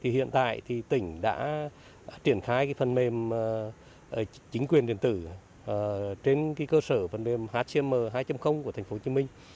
hiện tại thì tỉnh đã triển khai phần mềm chính quyền điện tử trên cơ sở phần mềm hcm hai của tp hcm